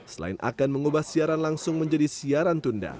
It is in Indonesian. selain akan mengubah siaran langsung menjadi siaran tunda